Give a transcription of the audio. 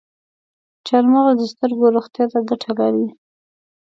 چارمغز د سترګو روغتیا ته ګټه لري.